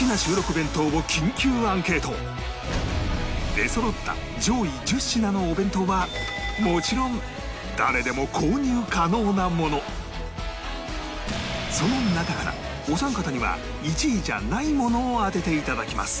出そろった上位１０品のお弁当はもちろんその中からお三方には１位じゃないものを当てて頂きます